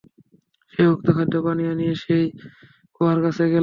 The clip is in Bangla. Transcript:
সে উক্ত খাদ্য-পানীয় নিয়ে সেই কুয়ার কাছে গেল।